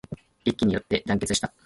一揆によって団結した